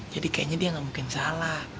jadi kayaknya dia gak mungkin salah